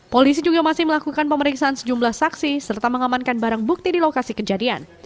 polisi juga masih melakukan pemeriksaan sejumlah saksi serta mengamankan barang bukti di lokasi kejadian